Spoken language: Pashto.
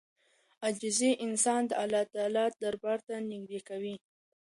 عاجزي انسان د الله دربار ته نږدې کوي.